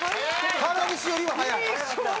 原西よりは速い？